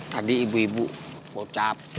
tadi ibu ibu bolcap